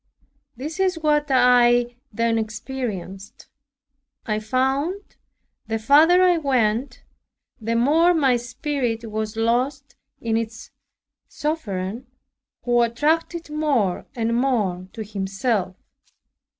This is what I then experienced. I found, the farther I went, the more my spirit was lost in its Sovereign, who attracted it more and more to Himself.